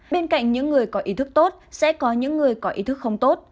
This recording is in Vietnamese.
bên cạnh những người có ý thức tốt sẽ có những người có ý thức không tốt